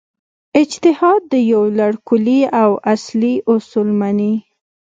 اجتهاد یو لړ کُلي او اصلي اصول مني.